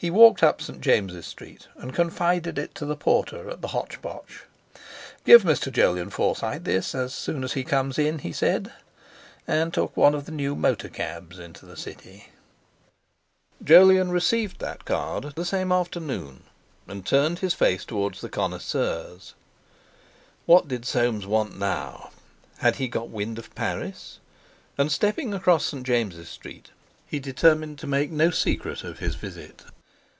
—S. F." He walked up St. James's Street and confided it to the porter at the Hotch Potch. "Give Mr. Jolyon Forsyte this as soon as he comes in," he said, and took one of the new motor cabs into the City.... Jolyon received that card the same afternoon, and turned his face towards the Connoisseurs. What did Soames want now? Had he got wind of Paris? And stepping across St. James's Street, he determined to make no secret of his visit.